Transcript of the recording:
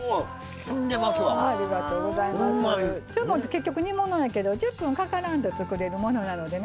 結局煮物やけど１０分かからんと作れるものなのでね